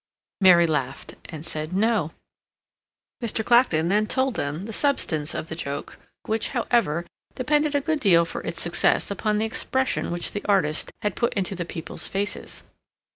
Mary laughed, and said "No." Mr. Clacton then told them the substance of the joke, which, however, depended a good deal for its success upon the expression which the artist had put into the people's faces.